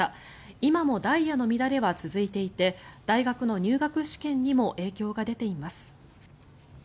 今もダイヤの乱れは続いていて大学の入学試験にも影響が出ています。